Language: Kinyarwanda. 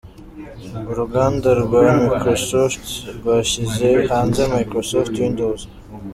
Uruganda rwa Microsoft rwashyize hanze Microsoft Windows .